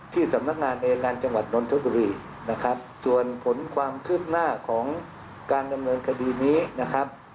ที่สำนักงานอายการจังหวัดนนทบุรีนะครับส่วนผลความคืบหน้าของการดำเนินคดีนี้นะครับ